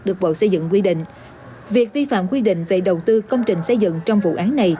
được bộ xây dựng quy định việc vi phạm quy định về đầu tư công trình xây dựng trong vụ án này